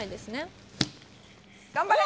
頑張れ！